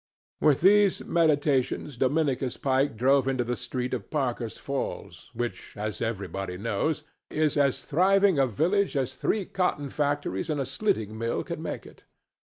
With these meditations Dominicus Pike drove into the street of Parker's Falls, which, as everybody knows, is as thriving a village as three cotton factories and a slitting mill can make it.